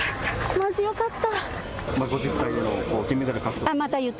まじ、よかった。